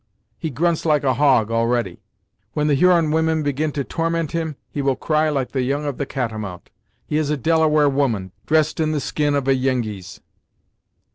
He grunts like a hog, already; when the Huron women begin to torment him, he will cry like the young of the catamount. He is a Delaware woman, dressed in the skin of a Yengeese!"